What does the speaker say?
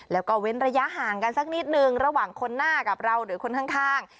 แล้วก็เว้นระยะห่างกันสักนิดนึงระหว่างคนหน้ากับเราหรือคนข้าง